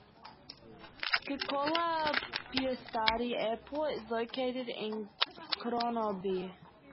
Kokkola-Pietarsaari Airport is located in Kronoby.